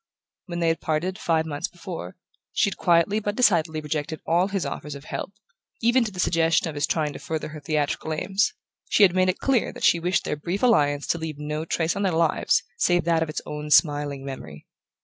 When they had parted, five months before, she had quietly but decidedly rejected all his offers of help, even to the suggestion of his trying to further her theatrical aims: she had made it clear that she wished their brief alliance to leave no trace on their lives save that of its own smiling memory.